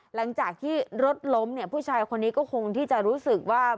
หลังจากที่รถล้มเนี่ยผู้ชายคนนี้ก็คงที่จะรู้สึกว่า